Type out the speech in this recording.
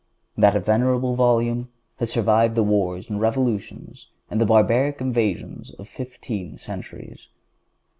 That venerable Volume has survived the wars and revolutions and the barbaric invasions of fifteen centuries.